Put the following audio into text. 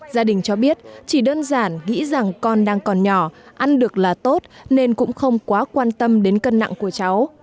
gia đình cho biết chỉ đơn giản nghĩ rằng con đang còn nhỏ ăn được là tốt nên cũng không quá quan tâm đến cân nặng của cháu